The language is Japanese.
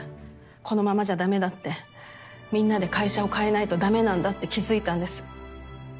このままじゃだめだってみんなで会社を変えないとだめなんだって気付いたんです。